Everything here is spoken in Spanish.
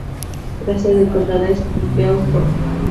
La sede del condado es Beaufort.